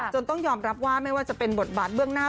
ต้องยอมรับว่าไม่ว่าจะเป็นบทบาทเบื้องหน้า